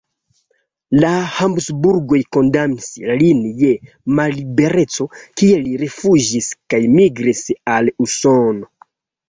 La Habsburgoj kondamnis lin je mallibereco, kie li rifuĝis kaj migris al Usono.